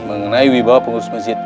mengenai wibawa pengurus mesjid